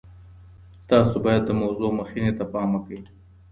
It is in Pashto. تاسو باید د موضوع مخینې ته پام وکړئ.